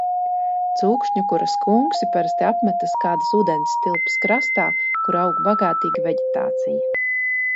Cūkšņukura skunksi parasti apmetas kādas ūdenstilpes krastā, kur aug bagātīga veģetācija.